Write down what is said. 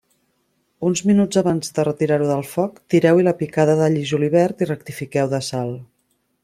Uns minuts abans de retirar-ho del foc, tireu-hi la picada d'all i julivert i rectifiqueu de sal.